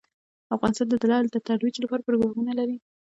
افغانستان د لعل د ترویج لپاره پروګرامونه لري.